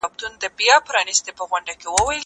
زه مخکي مېوې خوړلي وه؟